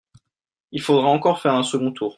Il faudra encore faire un second tour.